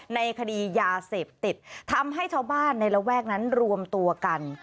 ในคดียาเสพติดทำให้ชาวบ้านในระแวกนั้นรวมตัวกัน